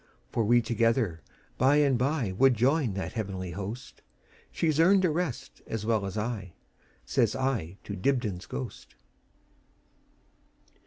For we together by and byWould join that heavenly host; She 's earned a rest as well as I,"Says I to Dibdin's ghost.